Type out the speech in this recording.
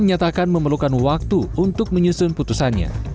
menyatakan memerlukan waktu untuk menyusun putusannya